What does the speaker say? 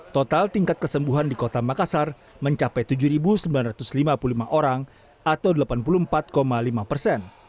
total tingkat kesembuhan di kota makassar mencapai tujuh sembilan ratus lima puluh lima orang atau delapan puluh empat lima persen